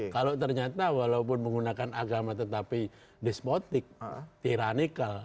kalau ternyata walaupun menggunakan agama tetapi despotik tyrannical